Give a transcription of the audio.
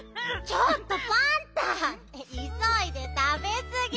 ちょっとパンタいそいでたべすぎ！